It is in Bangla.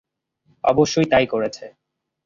অবশ্যই তাই করেছে।